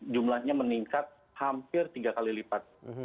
dua ribu dua puluh jumlahnya meningkat hampir tiga kali lipat